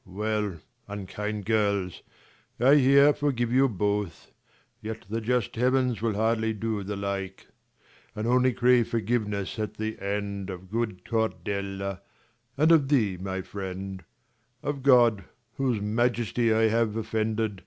Well, unkind girls, I here forgive you both, Yet the just heavens will hardly do the like ; And only crave forgiveness at the end 60 Of good Cordelia, and of thee, my friend ; Of God, whose majesty I have offended.